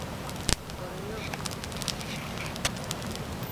Sorun yok.